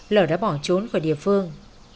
lờ đã bỏ trốn khỏi địa phương